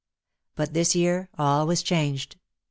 But this year all was changed.